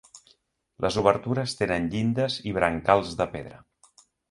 Les obertures tenen llindes i brancals de pedra.